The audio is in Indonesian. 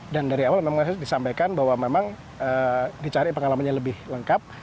dan dari awal memang saya disampaikan bahwa memang dicari pengalamannya lebih lengkap